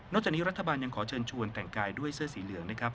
จากนี้รัฐบาลยังขอเชิญชวนแต่งกายด้วยเสื้อสีเหลืองนะครับ